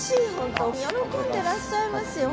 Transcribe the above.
喜んでらっしゃいますよ